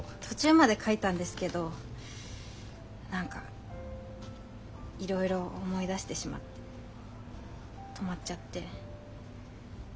途中まで書いたんですけど何かいろいろ思い出してしまって止まっちゃって。